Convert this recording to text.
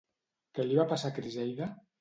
Què li va passar a Criseida?